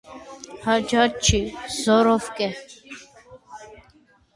- Հաջաթ չի, զոռով կե: